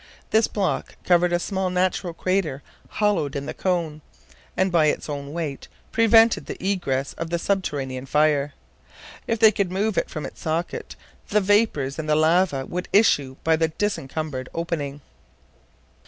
This block covered a small natural crater hollowed in the cone, and by its own weight prevented the egress of the subterranean fire. If they could move it from its socket, the vapors and the lava would issue by the disencumbered opening.